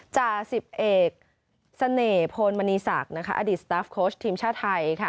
จ่าสิบเอกเสน่หพลมณีศักดิ์อดีตสตาฟโค้ชทีมชาติไทย